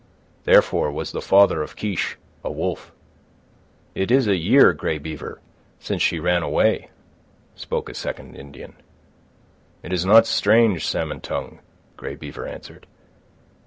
Therefore was the father of Kiche a wolf." "It is a year, Grey Beaver, since she ran away," spoke a second Indian. "It is not strange, Salmon Tongue," Grey Beaver answered.